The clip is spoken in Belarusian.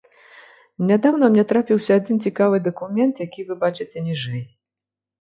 Нядаўна мне трапіўся адзін цікавы дакумент, які вы бачыце ніжэй.